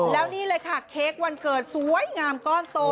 แล้วนี่เลยค่ะเค้กวันเกิดสวยงามก้อนโต